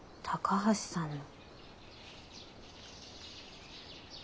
高橋さん！